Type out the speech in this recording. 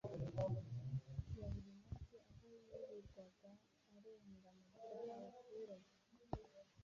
ya buri munsi aho yirirwaga arenganura abaturage